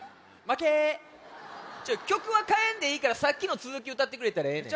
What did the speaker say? きょくはかえんでいいからさっきのつづきうたってくれたらええねん。